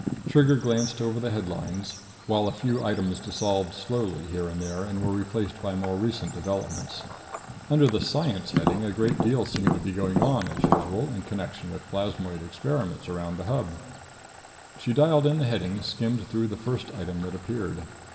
Trigger glanced over the headlines, while a few items dissolved slowly here and there and were replaced by more recent developments. Under the "Science" heading a great deal seemed to be going on, as usual, in connection with plasmoid experiments around the Hub. She dialed in the heading, skimmed through the first item that appeared.